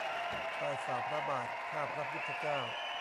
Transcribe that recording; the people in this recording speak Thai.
ใต้ฝ่าพระบาท ข้าพระพุทธเจ้า